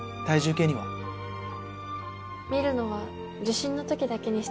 見るのは受診の時だけにしてます。